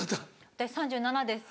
私３７です。